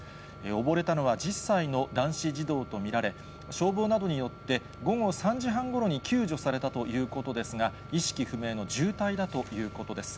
溺れたのは１０歳の男子児童と見られ、消防などによって午後３時半ごろに救助されたということですが、意識不明の重体だということです。